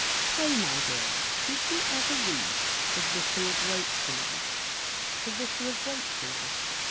"Pray, my dear, did you ever read the 'Vicar of Wakefield?'" "The 'Vicar of Wakefield?'